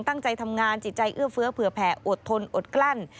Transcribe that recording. ตั้งใจทำงานจิตใจเอื้อเฟื้อเผื่อแผ่อดทนอดกลั้น